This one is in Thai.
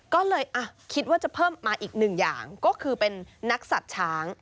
ก็เลยคิดว่าจะเพิ่มมาอีกหนึ่งอย่างก็คือเป็นนักสัตว์ช้าง